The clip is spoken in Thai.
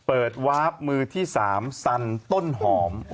เปิดวาร์ฟมือที่๓ซันต้นหอม